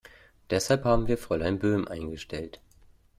Deshalb haben wir Fräulein Böhm eingestellt.